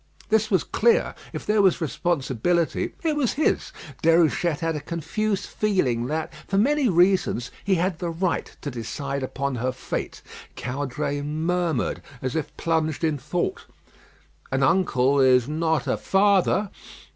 This was clear; if there was responsibility, it was his. Déruchette had a confused feeling that, for many reasons, he had the right to decide upon her fate. Caudray murmured, as if plunged in thought, "An uncle is not a father."